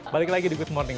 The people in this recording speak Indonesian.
balik lagi di quick morning